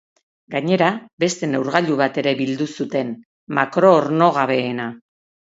Gainera, beste neurgailu bat ere bildu zuten, makro-ornogabeena.